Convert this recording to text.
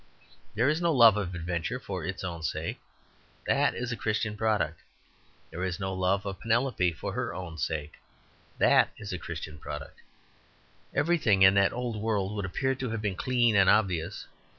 There is no love of adventure for its own sake; that is a Christian product. There is no love of Penelope for her own sake; that is a Christian product. Everything in that old world would appear to have been clean and obvious.